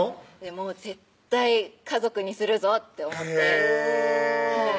もう絶対家族にするぞって思ってへぇはい